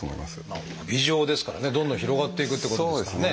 まあ帯状ですからね。どんどん広がっていくってことですからね。